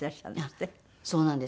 そうなんです。